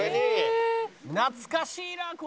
「懐かしいなこれ」